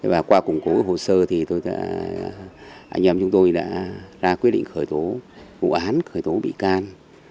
và qua củng cố hồ sơ anh em chúng tôi đã ra quyết định khởi tố vụ án khởi tố bị can